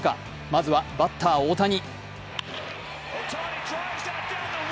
まずはバッター・大谷。